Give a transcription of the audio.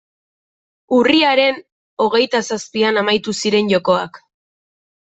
Urriaren hogeita zazpian amaitu ziren jokoak.